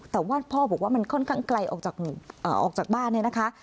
แต่ว่าพ่อบอกว่ามันค่อนข้างไกลออกจากบ้านเนี่ยนะคะ